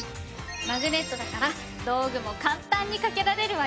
マグネットだから道具も簡単に掛けられるわよ。